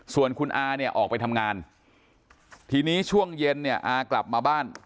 ส่วนคุณอาเนี่ยออกไปทำงานทีนี้ช่วงเย็นเนี่ยอากลับมาบ้าน